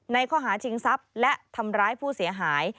ในข้อหาชิงทรัพย์และทำร้ายผู้เสียหาย